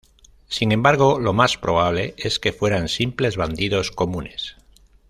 Sin embargo, lo más probable es que fueran simples bandidos comunes.